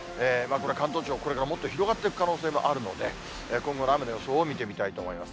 これ、関東地方、これからもっと広がっていく可能性もあるので、今後の雨の予想を見てみたいと思います。